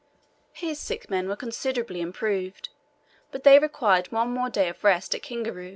His sick men were considerably improved, but they required one more day of rest at Kingaru.